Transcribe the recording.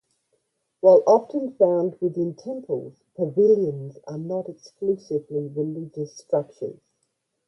While often found within temples, pavilions are not exclusively religious structures.